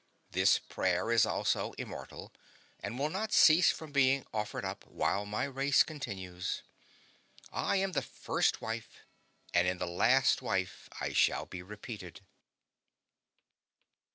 This prayer is also immortal, and will not cease from being offered up while my race continues. I am the first wife; and in the last wife I shall be repeated.